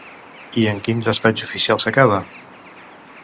I en quin despatx oficial s’acaba?